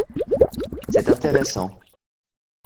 C’est intéressant.